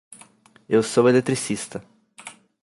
Eu sou eletricista.